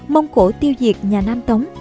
mông cổ tiêu diệt nhà nam tống